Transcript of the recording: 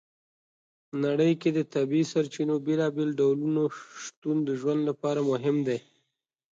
نړۍ کې د طبیعي سرچینو د بېلابېلو ډولو شتون د ژوند لپاره مهم دی.